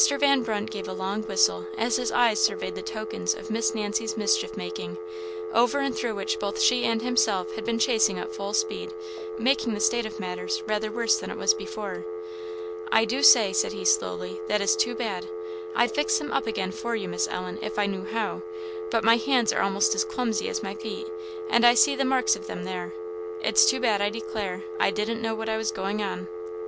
Van Brunt gave a long whistle as his eye surveyed the tokens of Miss Nancy's mischief making, over and through which both she and himself had been chasing at full speed, making the state of matters rather worse than it was before. "I do say," said he, slowly, "that is too bad. I'd fix them up again for you, Miss Ellen, if I knew how; but my hands are a'most as clumsy as my feet, and I see the marks of them there; it's too bad, I declare; I didn't know what I was going on."